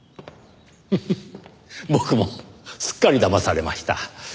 フフッ僕もすっかりだまされました。